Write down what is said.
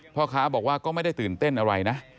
พ่อค้าบอกว่าก็ไม่ได้ตื่นเต้นอะไรนะ